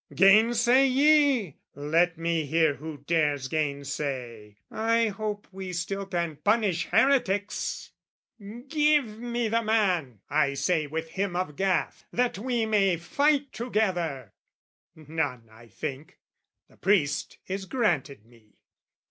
Gainsay ye? Let me hear who dares gainsay! I hope we still can punish heretics! "Give me the man," I say with him of Gath, "That we may fight together" None, I think: The priest is granted me.